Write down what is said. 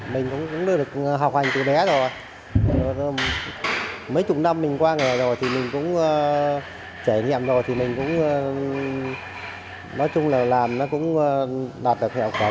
mình cũng được học hành từ bé rồi mấy chục năm mình qua nghề rồi thì mình cũng trải nghiệm rồi thì mình cũng nói chung là làm nó cũng đạt được hiệu quả